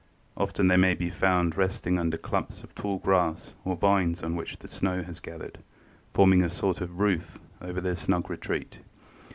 Often they may be found resting under clumps of tall grass or vines on which the snow has gathered, forming a sort of roof over the snug retreat.